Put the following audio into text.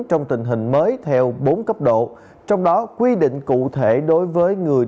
trong tình hình mới theo bốn cấp độ trong đó quy định cụ thể đối với người